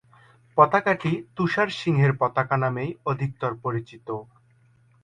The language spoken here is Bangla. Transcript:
পতাকাটি তুষার সিংহের পতাকা নামেই অধিকতর পরিচিত।